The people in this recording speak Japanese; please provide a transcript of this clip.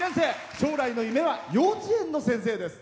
将来の夢は幼稚園の先生です。